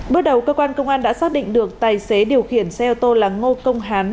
bước đầu công an đã xác định được tài xế điều khiển xe ô tô là ngô công hán